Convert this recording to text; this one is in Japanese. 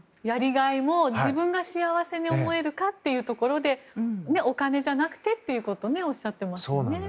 やりがいも自分が幸せに思えるかというところでお金じゃなくてということをおっしゃっていますね。